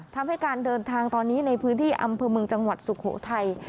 ทำให้การเดินทางตอนนี้ในพื้นที่อำเภอเมืองจังหวัดสุโขทัย